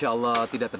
aku tidak mau